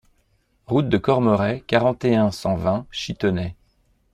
Route de Cormeray, quarante et un, cent vingt Chitenay